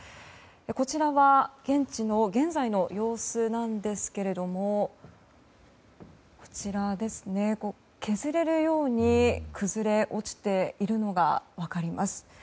こちらは、現地の現在の様子なんですけれども削れるように崩れ落ちているのが分かります。